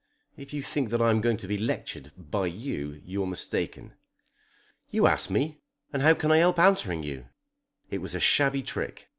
If you think that I am going to be lectured by you, you're mistaken." "You ask me, and how can I help answering you? It was a shabby trick.